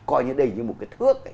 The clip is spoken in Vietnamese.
coi như đây như một cái thước